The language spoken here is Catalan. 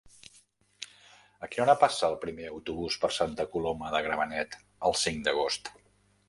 A quina hora passa el primer autobús per Santa Coloma de Gramenet el cinc d'agost?